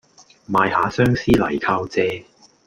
賣吓相思嚟靠借